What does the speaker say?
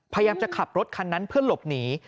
พยายามจะขับรถคันนั้นเพื่อหลบหนี